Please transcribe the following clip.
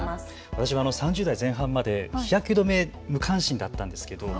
私も３０代前半まで日焼け止め、無関心だったんですけど。